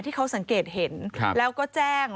ที่เขาสังเกตเห็นแล้วก็แจ้ง